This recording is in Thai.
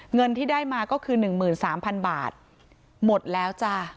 เงินที่ได้มาก็คือหนึ่งหมื่นสามพันบาทหมดแล้วจ้ะ